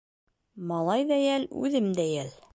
Малай ҙа йәл, үҙем дә йәл.